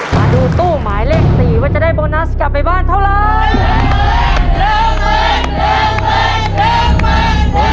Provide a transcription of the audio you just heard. มาดูตู้หมายเลข๔ว่าจะได้โบนัสกลับไปบ้านเท่าไร